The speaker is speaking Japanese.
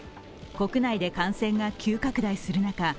国内で感染が急拡大する中